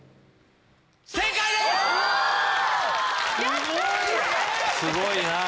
すごいなぁ。